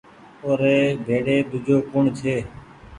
او ر بيڙي ۮوجو ڪوٚڻ ڇي